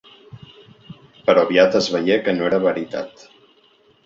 Però aviat es veié que no era veritat.